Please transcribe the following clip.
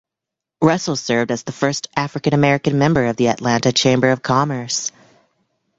Russell served as the first African American member of the Atlanta Chamber of Commerce.